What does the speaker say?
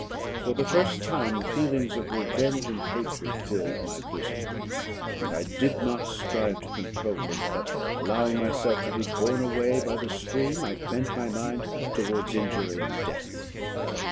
For the first time the feelings of revenge and hatred filled my bosom, and I did not strive to control them; but, allowing myself to be borne away by the stream, I bent my mind towards injury and death.